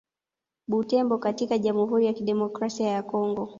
Butembo katika Jamhuri ya Kidemokrasia ya Kongo